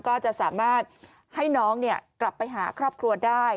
ก็จะสามารถให้น้องกลับไปหาครอบครัวได้